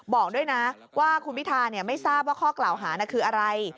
บอกด้วยนะว่าคุณพิธาไม่ทราบว่าข้อกล่าวหาคืออะไร